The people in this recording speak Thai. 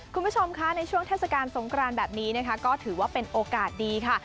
คุณผู้ชมคะในช่วงเทศกาลสงครานแบบนี้นะคะก็ถือว่าเป็นโอกาสดีค่ะ